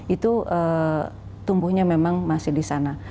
itu tumbuhnya memang masih di sana